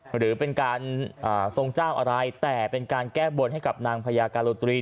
หรือเป็นการทรงเจ้าอะไรแต่เป็นการแก้บนให้กับนางพญาการุตรี